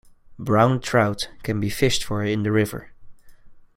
Brown trout can be fished for in the river.